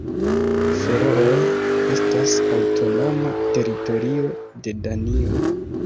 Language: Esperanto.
Ferooj estas aŭtonoma teritorio de Danio.